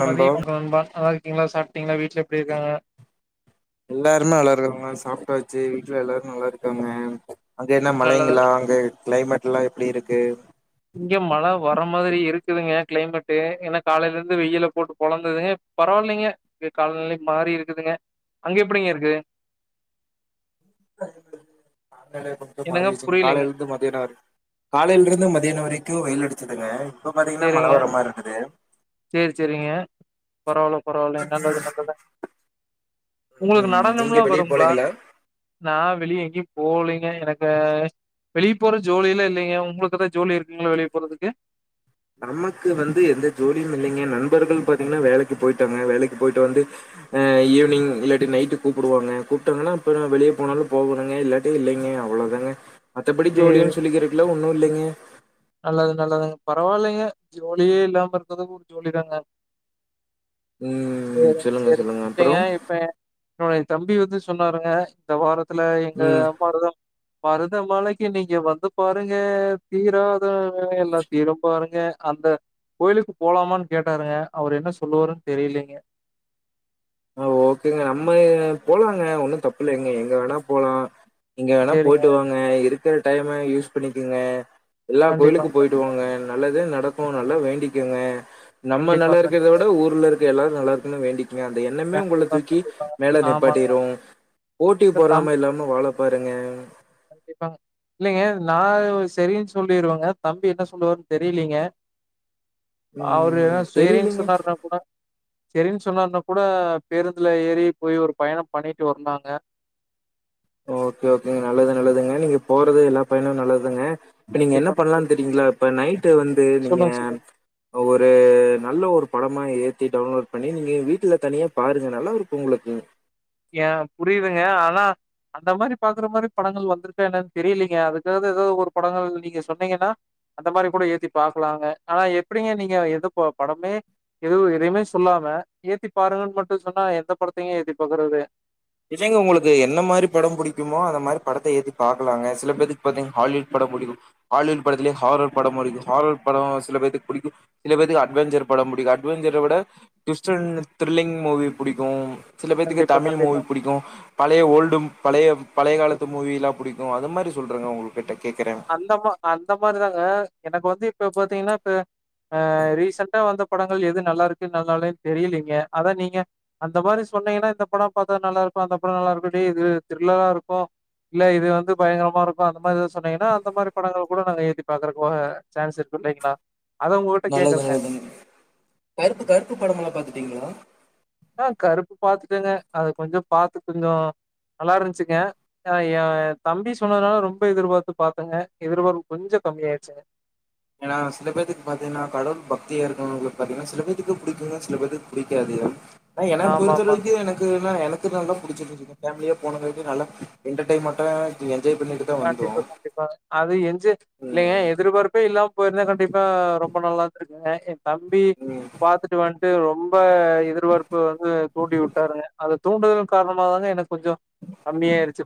நண்பா மதிய வணக்கம் நண்பா நல்லாருக்கீங்களா சாப்ட்டீங்களா வீட்ல எப்டி இருக்காங்க எல்லாருமே நல்லாருக்காங்க சாப்ட்டாச்சி வீட்ல எல்லாரு நல்லாருக்காங்க அங்க என்ன நல்லதா மழைங்களா அங்க க்ளைமேட்ல்லா எப்டி இருக்கு இங்க மழை வர மாதிரி இருக்குதுங்க க்ளைமேட்டு ஏன்னா காலையில இருந்து வெயில போட்டு பொழந்ததுங்க பரவாயில்லைங்க இங்க காலநிலை மாறி இருக்குதுங்க அங்க எப்படிங்க இருக்குது [inaudible] என்னங்க மாறிச்சிங்க புரியலைங்க காலையில இருந்து மதியான வரைக்கு காலையிலே இருந்து ம் மதியான வரைக்கு வெயில் அடிச்சதுங்க இப்ப பாத்தீங்கன்னா மழ வர மாரி இருக்குது சரி சரிங்க பரவால்ல பரவால்ல நல்லது நல்லது உங்களுக்கு ம் நடனம்ல்லா நீங்க வெளிய வருங்களா போலீங்களா நா வெளிய எங்கையு போலீங்க எனக்கு ஆஸ் வெளிய போற ஜோலிலா இல்லைங்க உங்களுக்கு ஏதாவது ஜோலி இருக்குங்களா வெளிய போறதுக்கு நமக்கு வந்து எந்த ஜோலியும் இல்லைங்க நண்பர்கள் பாத்தீங்கன்னா வேலைக்கு போயிட்டாங்க வேலைக்கு போயிட்டு வந்து ஆ ஈவினிங் இல்லாட்டி நைட்டு கூப்டுவாங்க கூப்ட்டாங்கன்னா அப்பறோ வெளிய போனாலு போவனுங்க இல்லாட் இல்லைங்க அவ்வள தாங்க மத்தபடி சேரி ஜோலின்னு சொல்லிக்கிருக்கறதுக்குலா ஒன்னு இல்லைங்க நல்லது நல்லதுங்க பரவால்லைங்க ஜோலியே இல்லாம இருக்கறது ஒரு ஜோலி தாங்க ம். சரிங்க சொல்லுங்க, சரிங்க சொல்லுங்க. அப்புறம்? [unintelligible] இப்ப என்னுடைய தம்பி வந்து சொன்னாருங்க இந்த வாரத்துல எங்க ம். அம்மாக்குதா மருத மலைக்கு நீங்க வந்து பாருங்க தீரா எல்லா தீரும் பாருங்க அந்த கோயிலுக்கு போலாமான்னு கேட்டாருங்க அவரு என்ன சொல்லுவாருன்னு தெரியலைங்க ஓகேங்க நம்ம போலாங்க ஒன்னு தப்பு இல்லைங்க எங்க வேணா போலா நீங்க வேணா சரிங்க. போயிட்டு வாங்க இருக்குற டைம்ம யூஸ் பண்ணிக்குங்க எல்லா கண்டிப்பா, கோயிலுக்கு போயிட்டு கண்டிப்பா, வாங்க நல்லதே நடக்கு நல்லா வேண்டிக்குங்க நம்ம கண்டிப்பா, நல்லா இருக்கத கண்டிப்பா, விட ஊர்ல இருக்க எல்லாரு நல்லா இருக்குன்னு வேண்டிக்கங்க அந்த எண்ணமே உங்கள கண்டிப்பா, தூக்கி கண்டிப்பாங்க. மேல ஆமாங்க. நிப்பாட்டிறு போட்டி இந்த பொறாமை இல்லாம வாழ பாருங்க கண்டிப்பா இல்லைங்க நா சரின்னு சொல்லிருவங்க தம்பி என்ன சொல்லுவாருன் தெரியலீங்க அவரு ஏ ம். சேரின்னு தெரியலங்க. சொன்னாருனா கூட சரின்னு சொன்னாருனா கூட பேருந்துல ஏறி போய் ஒரு பயணம் பண்ணிட்டு வந்தாங்க ஓகே ஓகேங்க நல்லது நல்லதுங்க நீங்க போறது எல்லா பயனு நல்லதுங்க இப்ப நீங்க என்ன கண்டிப்பா, கண்டிப்பா. பண்லான் தெரியீங்ளா இப்ப நைட்டு வந்து நீங்க சொல்லுங்க, சொல்லுங்க. ஒரு நல்ல ஒரு படமா ஏத்தி டவுன்லோட் பண்ணி நீங்க வீட்டுல தனியா பாருங்க நல்லா இருக்கு உங்களுக்கு ஏ புரியுதுங்க ஆனா அந்த மாரி பாக்குற மாரி படங்கள் வந்துருக்கா என்னன் தெரியலீங்க அதுக்கா ஏதா ஒரு படங்கள் நீங்க சொன்னீங்கன்னா அந்த மாரி கூட ஏத்தி பாக்கலாங்க ஆனா எப்படிங்க நீங்க எதுப்ப படமே எதுவு எதயுமே சொல்லாம ஏத்தி பாருங்கன் மட்டு சொன்னா எந்த படத்தையு ஏத்தி பாக்குறது இல்லங்க உங்களுக்கு எந்த மாரி படம் புடிக்குமோ அந்த மாரி படத்த ஏத்தி பாக்கலாங்க சில பேத்துக்கு பாத்தீங் ஹாலிவுட் பயோ பிடிக்கு ஹாலிவுட் படத்திலயே ஹாரர் படமு இருக்கு ஹாரர் படோ சில பேத்துக்கு புடிக்கு சில பேருக்கு அட்வெஞ்சர் படம் பிடிக்கு அட்வெஞ்சர் விட டிவிஸ்டவன் த்ரில்லிங் மூவி புடிக்கு சில பேத்துக்கு கண்டிப்பா, தமிழ் மூவி கண்டிப்பா. புடிக்கு பழைய ஓல்டும் பழைய பழைய காலத்து மூவீல்லா புடிக்கு அது மாரி சொல்றங்க உங்கள கிட்ட கேக்குற அந்த மா அந்த மாரி தாங்க எனக்கு வந்து இப்ப பாத்தீங்கன்னா இப்ப அ ரீசண்டா வந்து படங்கள் எது நல்லா இருக்கு நல்லாலின் தெரியலீங்க அதா நீங்க அந்த மாரி சொன்னீங்கன்னா இந்த படோ பாத்தா நல்லா இருக்கு அந்த படோ நல்லா இருக்குடி இது த்ரில்லரா இருக்கு இல்ல இது வந்து பயங்கரமா இருக்கு அந்த மாரி எதா சொன் னீங்கன்னா அந்த மாரி படங்கள் கூட நாங்க ஏத்தி பாக்குறக்குக சான்ஸ் இருக்கு இல்லைங்களா அதான் உங்ககிட்ட நல்லது கேட்கறேங்க. நல்லதுங்க கருப்பு கருப்பு படம்ல்லா பாத்துட்டீங்ளா ஆ கருப்பு பாத்துட்டங்க அது கொஞ்சோ பாத்து கொஞ்சோ நல்லா இருந்துச்சுங்க ஆ எ தம்பி சொன்னதுனால ரொம்ப எதிர்பார்த்து பாத்தங்க எதிர்பார்பு கொஞ்சோ கம்மியாயிர்ச்சிங்க ஏனா சில பேத்துக்கு பாத்தீங்கன்னா கடவுள் பக்தியா இருக்கிறவங்களுக்கு பாத்தீங்கன்னா சில பேத்துக்கு புடிக்குங்க சில பேத்துக்கு புடிக்காது ஆனா என்ன பொருத்த ஆமாமா. வரைக்கு எனக் க்குனா எனக்கு நல்லா புடிச்சிருந்துச்சுங்க பேமிலியா போனவங்க என்டர்டைன்மென்டா என்ஜாய் பண்ணிட்டு தான் வந்தோம் கண்டிப்பா கண்டிப்பா அது எஞ்சிக் இல்லைங்க ம் எதிர்பார்ப் ப்பே இல்லாம போய்ருந்தா கண்டிப்பா ரொம்ப நல்லா இருந்துருக்குங்க எ தம்பி ம் பாத்துட்டு வண் டு ரொம்ப எதிர்பார்ப்பு வந்து தூண்டி விட்டாருங்க அத தூண்டுதல் காரணமாக தா எனக்கு கொஞ்சோ கம்மியாய்ருச்சு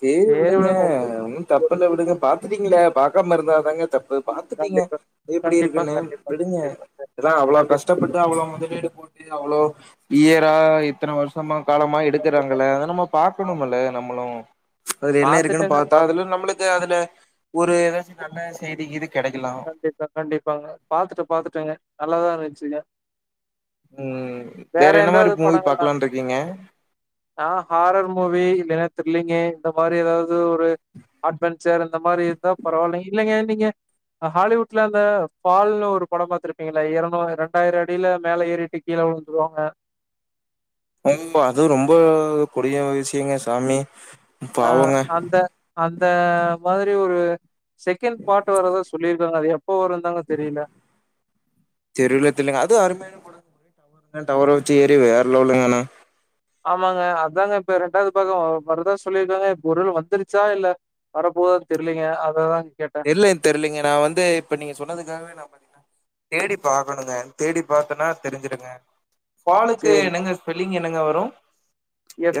சேரி விடுங்க ஒன்னு தப்பில்ல ஒவ்வொருத்தருக்கும் விடுங்க ஒரு பாத்துட்டீங்கள பாக்காம இருந்தாதாதாங்க தப்பு பாத்துட்டீங்க கண்டிப்பா, எப்டி கண்டிப்பா, இருக்குன்னு கண்டிப்பா, விடுங்க கண்டிப்பாங்க. ஏன்னா அவ்ளோ கண்டிப்பா, கஷ்டப்பட்டு டு அவ்ளோ முதலீடு போட்டு அவ்வளோ இயரா இத்தன வருஷ சமா காலமா கண்டிப்பா, எடுக்கறாங்கள அத கண்டிப்பா. நம்ம ஆமா. பாகக்கணும்மில்ல நம்மளு அதுல என்ன இருக்குன்னு பாத்துட்டேங்க பாத்தா அதுல பாத்துட்டேங்க. நம்மளுக்கு அதுல ஒரு ஏதாச்சி நல்ல செய்தி கிய்தி கெடைக்கலா கண்டிப்பா கண்டிப்பாங்க பாத்துட்ட பாத்துட்டங்க நல்லாதா இருச்சுங்க ம் வேற என்ன மாரி எதாவது மூவி பாக்கலான்ருக்கீங்க நா ஹாரர் மூவி இல்லன்னா த்ரில்லிங்கு இந்த மாரி ஏதாவது ஒரு அட்வென்சர் இந்த மாரி இருந்தா பரவால்ல இல்லைங்க இல்லைங்க ஹாலிவுட்ல அந்த ஃபால்னு ஒரு படோ பாத்துருப்பீங்கல்ல எரநு ரெண்டாயிரோ அடில மேல ஏறிட்டு கீழ உழுந்துருவாங்க ஓம்மா அது ரொம்ப கொடிய விஷயங்க சாமி ஆ பாவங்க அந்த அந்த மாதிரி ஒரு செகண்ட் பார்ட் வர்த சொல்லிருக்காங்க அது எப்ப வருன் தாங்க தெரில தெரில தெரிலங்க அது அருமையான படோ [unintelligible] டவர் வச்சு ஏறி வேற லெவல்ங்க ஆனா ஆமாங்க அதாங்க இப்ப ரெண்டாவது பாகோ வருதா சொல்லிருக்காங்க இப்ப ஒரு வேள வந்துருச்சா இல்ல வரப்போதான் தெரிலீங்க அததா கேட் இல்ல எனக் தெரிலீங்க நா வந்து இப்ப நீங்க சொன்னதுக்காகவே நா பாத்தீனா தேடி பாக்கணுங்க தேடி பாத்தனா தெரிஞ்சுடுங்க ஃபாலுக்கு சரி. என்னங்க ஸ்பெல்லிங் என்னங்க வரும்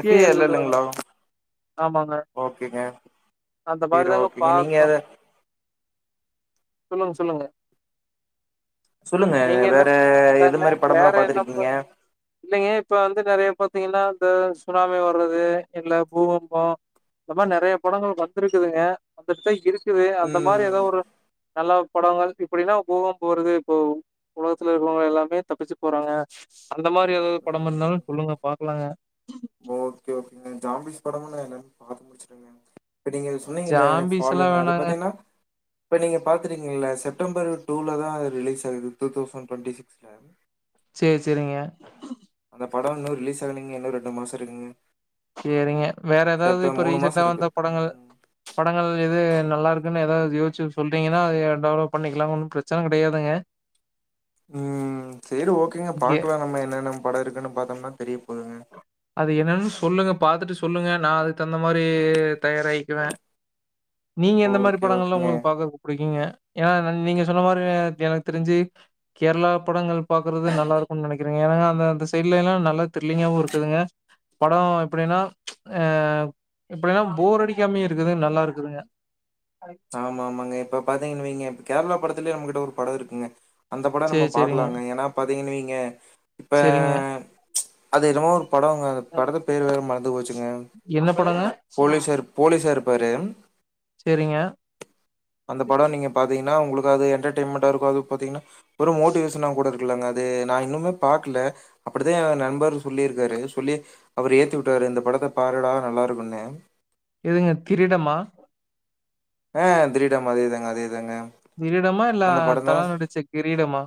எஃப் ஏ எல் எல்லுங்களா ஆமாங்க. ஓகேங்க அந்த மாரி வீடு தாங்க ஓகேங்க நீங்க எத பாக்கணும். சொல்லுங்க சொல்லுங்க சொல்லுங்க நீங்க என்ன வேற எது அதால மாரி படம்லா வேற என்ன பாத்துருக்கீங்க பண் இல்லைங்க இப்ப வந்து நெறைய பாத்தீங்கன்னா சுனாமி வர்றது இல்ல பூகம்பொ இந்த மாரி நெறைய படங்கள் வந்திருக்குதுங்க அதத்த இருக்குது அந்த மாரி எதோ ம் ஒரு நல்லா படங்கள் இப்புடிதா பூகம்பொ வருது இப்போ உலகத்துல இருக்கவங்க எல்லாமே தப்பிச்சு போறாங்க அந்த மாரி எதாவது பட ம் இருந்தாலும் சொல்லுங்க பாக்கலாங்க ஓகே ஓகேங்க ஜாம்பீஸ் படமும் எல்ல பாத்து முடிச்சுட்டேங்க நீங்க சொன்னீங்கல்ல ஜாம்பீஸ்லாம் ஃபாலின் அது வேணாங்க. பாத்தீங்கன்னா இப்ப நீங்க பாத்துறீங்களல்லல செப்டம்பர் டூல தா அது ரிலீஸ் ஆகுது டூ தௌசண்ட் டுவெண்ட்டி சிக்ஸ்ல சேரி சேரிங்க அந்த படம் இன்னும் ரிலீஸ் ஆக நீங்க இன்னு ரெண்டு மாசம் இருக்குங்க சேரிங்க வேற எதாவது செப்டம்பர் இப்ப மூணு மாசோ ரீசெண்டா இருக்கு வந்த படங்கள் ம் படங்கள் எது நல்லா இருக்குன்னு எதாவது யோசிச்சு சொல்டீங்கன்னா அது டவுன்லோட் பண்ணிக்கலா ஒன்னு பிரச்சன கெடையாதுங்க ம் சேரி ஓகேங்க பாக்கலா நம்ம என்னென்ன படம் இருக்குன் பாத்தோம்னா தெரிய போது அது என்னன்னு சொல்லுங்க பாத்துட்டு சொல்லுங்க நா அதுக்கு தகுந்த மாரி தயாராயிக்குவே நீங்க எந்த மாரி ஓகே, படங்கள்லா ஓகேங்க. உங்களுக்கு பாக்கறக் புடிக்குங்க ஏன்னா நீங்க சொன்ன மாரி எனக்கு தெரிஞ்சு கேர்ளா படங்கள் பாக்றது நல்லாருக்கும்னு நெனைக்கிறேங்க ஏனா அந்த அந்த சைட்லல்லா நல்லா தி ரில்லிங்காவு இருக்குதுங்க பட எப்டின்னா அ எப்டின்னா போரடிக்காமயு இருக்குது நல்லா இருக்குதுங்க ஆமா ஆமாங்க இப்ப பாத்தீங்கன்னு வைக்க கேரளா படத்துலயு நம்மகிட்ட ஒரு பட இருக்குங்க அந்த பட நம்ம சரி, சரிங்க, பாக்கலாங்க ஏன்னா பாத்தீங்கனு வைங்க இப்ப சரிங்க. அது என்னமோ ஒரு படங்க அந்த படத்துக்கு பேரு வேற மறந்து போச்சுங்க என்ன படங்க போலீசார் போலீசா இருப்பாரு சேரிங்க அந்த படம் நீங்க பாத்தீங்கன்னா உங்களுக்கு அது என்டர்டெய்ன்மெண்டா இருக்கும் அது பாத்தீங்கன்னா ஒரு மோட்டிவேஷனன்னாவு கூட இருக் இல்லங்க அது நா இன்னுமே பாக்கல அப்படித்தா என் நண்பர் சொல்லிருக்காரு சொல்லி அவரு ஏத்தி வுட்டாரு இந்த படத்த பாருடா நல்லா இருக்குன்னு எதுங்க திரீடமா ஆ திரீடம் அதேதாங்க அதேதாங்க திரீடமா இல்ல அந்த படம் தான் தல நடிச்ச கிரீடமா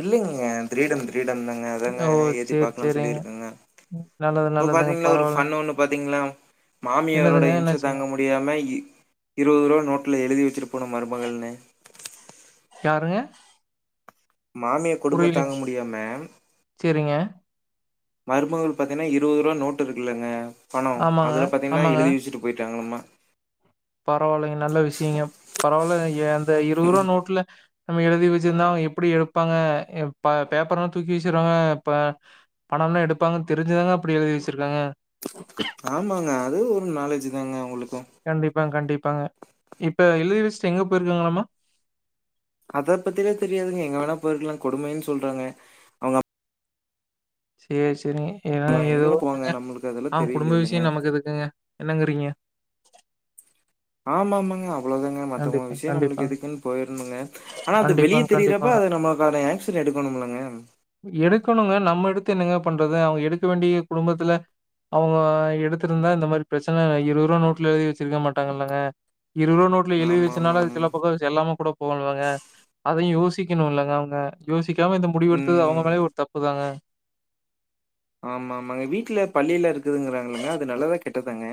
இல்லைங்க திரீடம் திரீடம் தாங்க அதாங்க ஓ! ஏத்தி சரி, பாக்கனு சரிங்க. சொல்லிருக்கங்க நல்லது, இப்ப நல்லதுங்க. பாத்தீங்கலா ஒரு பரவால்லங்க. ஃபண் ஒண்ணு பாத்தீங்கலா மாமியாரோட என்னதுங்க? இம்ச என்னாச்சுங்க? தாங்க முடி யாம இருவது ரூபா நோட்ல எழுதி வச்சிட்டு போன மருமகள்னு யாருங்க மாமியா கொடும புரியலி தாங்க முடியாம சரிங்க. மருமக பாத்தீங்கன்னா இருவது ரூபா நோட்டு் இருக்குல்லங்க பணம் ஆமாங்க, அதுல பாத்தீங்கன்னா ஆமாங்க. எழுதி வச்சுட்டு போயிட்டாங்களம்மா பரவாயில்லைங்க நல்ல விஷயங்க பரவாயில்ல அந்த இருவது ரூபா நோட்டுல நம்ம எழுதி வச்சிருந்தா அவங்க எப்டி எடுப்பாங்க எப் ப பேப்பர்லா தூக்கி வீசிருவாங்க ப்ப பணலா எடுப்பாங்கன் தெரிஞ்சி தான அப்டி எழுதி வச்சிருக்காங்க ஆமாங்க அது ஒரு நாலேஜ் தாங்க அவுங்குளுக்கு கண்டிப்பாங் கண்டிப்பாங்க இப்ப எழுதி வச்சிட்டு எங்க போயிருக்காங்களாமா அத பத்திலா தெரியாதுங்க எங்க வேணா போயிருக்கலா கொடுமைன் சொல்றாங்க அவங்க சேரி சேரி எதோ எங்க எதோ வேணா போவாங்க ஒன்னுங்க நம்மளுக்கு அதெல்லாம் அவங்க தெரியல குடும்ப இல்லங்க விஷ்யோ நமக்கு எதுக்குங்க என்னங்குறிங்க ஆமா ஆமாங்க அவ்ளதாங்க மத்தவங்க கண்டிப்பா, விஷ்யோ நம்ளுக்கு கண்டிப்பாங்க. எதுக்குன் போயிருனுங்க ஆனா அது வெளிய கண்டிப்பாங்க, தெரிறப்ப கண்டிப்பாங்க. அத நம்மக்கான ஆக்சன் எடுக்கணும்லங்க எடுக்கணுங்க நம்ம எடுத்து என்னங்க பண்றது அவங்க எடுக்க வேண்டிய குடும்பத்துல அவங்க எடுத்துருந்தா இந்த மாரி பிரச்சன இருவருவா நோட்ல எழுதி வச்சிருக்க மாட்டாங்கல்லங்க இருவருவா நோட் எழுதி வச்சனால ஆமாமாங்க. சில பக்கோ செல்லாம கூட போலாங்க அதையு யோசிக்கணு இல்லங்க அவுங்க யோசிக்காம இந்த முடிவு எடுத்தது அவங்க ம். மேலயு ஒரு தப்பு தாங்க ஆமா ஆமாங்க வீட்ல பல்லிலா இருக்குதுங்றாங்கல்லங்க அது நல்லாதா கெட்டதாங்க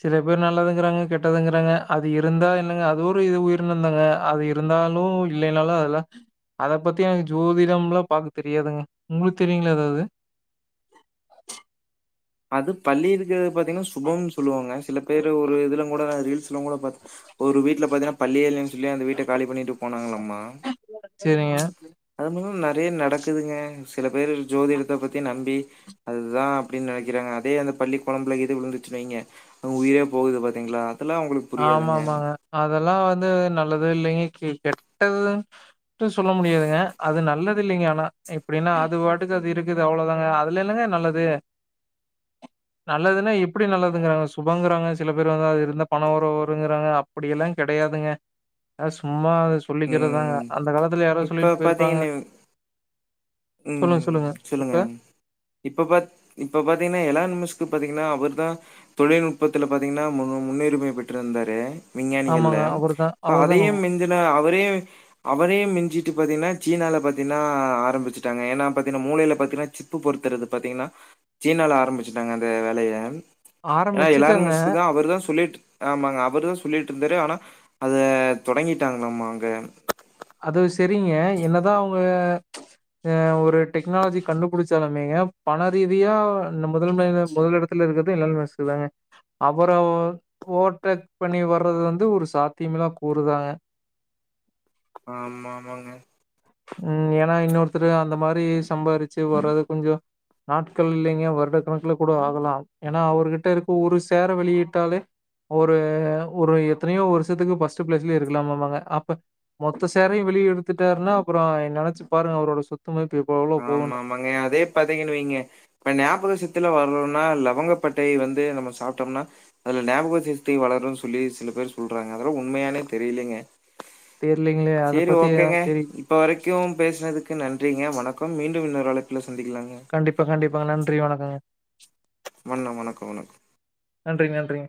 சில பேர் நல்லாதுங்றாங்க கெட்டதுங்றாங்க அது இருந்தா என்னங்க அது ஒரு இது உயிரின தாங்க அது இருந்தாலு இல்லைனாலு அதலா அத பத்தி எனக்கு ஜோதிடம்லா பாக்க தெரியாதுங்க உங்ளுக்கு தெரியுங்ளா எதாது அது பல்லி இருக்கறது பாத்திங்னா சுபம்னு சொல்லுவாங்க சில பேர் ஒரு இதுல கூட ரீல்ஸ்லா கூட பா ஒரு வீட்ல பாத்தனா பல்லியே இல்லைன் சொல்லி அந்த வீட்ட காலி பண்ணிட்டு போனாங்கலாமா செரிங்க அது ன்னு நெறைய நடக்குதுங்க சில பேர் ஜோதிடத்த பத்தி நம்பி அதுதா அப்டின் நெனைக்கிறேங்க அதே அந்த பல்லி கொழம்புல இது விழுந்துச்சுன் வைங்க உயிரே போகுது பாத்திங்ளா அதலா உங்குளுக்கு ஆமாமாங்க அதலா வந்து நல்லது இல்லைங்க கே கெட்டது ன்ட்டு சொல்ல முடியாதுங்க அது நல்லது இல்லைங்க ஆனா எப்டின்னா அது பாட்டுக்கு அது இருக்கு அவ்ளோ தாங்க அதுல என்னங்க நல்லது நல்லதுன்னா எப்டி நல்லதுங்றாங்க சுபங்றாங்க சில பேர் வந்து அது இருந்தா பண வரவு வருங்றாங்க அப்டி எல்லா கெடையாதுங்க அது சும்மா சொல்லிக்கிறதாங்க ம். அந்த காலத்துல யாரோ இப்ப சொல்ட்டு போயிருப்பாங்க பாத்தீங்கன்னு சொல்லுங்க ம் சொல்லுங்க இப்ப இப்ப பாத் இப்ப பாத்திங்கன்னா [unintelligible] நிமிஸ்க்கு பாத்திங்கன்னா அவுர்தா தொழில்நுட்பத்துல பாத்திங்கன்னா முன் முன்னுரிமை பெற்றிருந்தாரு விஞ்ஞானிகள்ல ஆமாங்க அவர் தா இப்ப அவர் அதே தாங்க மிஞ்சி துல அவரே அவரே மிஞ்சிட்டு பாத்திங்கன்னா சீனால பாத்தின்னா ஆரம்பிச்சு டாங்க ஏனா பாத்தீனா மூலைல பாத்தீனா சிப்பு பொறுத்துறது பாத்தீங்னா சீனால ஆரம்பிச்ட்டாங்க அந்த வேலைய ஏனா ஆரம்பிச்சுட்டாங்க எல்லாரமஸ்க்கு தா அவர் தா சொல்லிட்டு ஆமாங்க அவரு தா சொல்லிட்ருந்தாரு ஆனா அத தொடங்கிட்டாங்கலாம்மா அங்க அது செரிங்க என்னதா அவங்க ஒரு டெக்னாலஜி கண்டுபுடிச்சாலுமேங்க பணரீதியா முதன்மையான முதலெடத் ல இருக்கது [unintelligible] தாங்க அவர ஓ ஓவர்டேக் பண்ணி வர்றது வந்து ஒரு சாத்தியமில்லா கூறுதாங்க ஆமா ஆமாங்க ம் ஏனா இன்னொருத்தரு அந்த மாரி சம்பாரிச்சு வரது கொஞ்சோ நாட்கள் இல்லைங்க வருட கணக்கல கூட ஆகலா ஏனா அவருகிட்ட இருக்க ஒரு சேர வெளியிட்டாலே ஒரு ஒரு எத்தனையோ வருஷத்துக்கு பஸ்ட்டு பிளேஸ்லய இருக்கலாமாமாங்க அப்ப மொத்த சேரையு வெளிய எடுத்துட்டாருன்னா அப்புறோ நெனைச்சு பாருங்க அவரோட சொத்துமதிப்பு இப்ப எவ்ளோ போவுன்னு. மாங்க அதே பாத்தீங்கனு வெய்ங்க இப்ப ஞாபகசத்திலா வர்னுன்னா லவங்கப்பட்டையை வந்து நம்ம சாப்ட்டம்னா அதுல ஞாபக சக்தி வளருன் சொல்லி சில பேர் சொல்றாங்க. அதலா உண்மையானே தெரிலிங்க. தெர்லிங்ளே அதை பத்தி எனக் தெரி இப்ப வரைக்கும் பேசுனதுக்கு நன்றிங்க வணக்கம் மீண்டும் இன்னொரு அழைப்புல சந்திக்கலாங்க. கண்டிப்பா கண்டிப்பாங்க நன்றி வணக்கங்க. வண்ண வணக்கோ வணக்கோ. நன்றிங் நன்றிங்க.